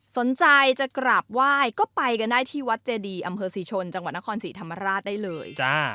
สนใจจะกราบไหว้ก็ไปกันได้ที่วัดเจดีอำเภอศรีชนจังหวัดนครศรีธรรมราชได้เลย